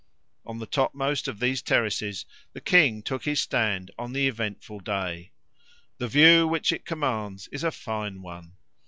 On the topmost of these terraces the king took his stand on the eventful day. The view which it commands is a fine one.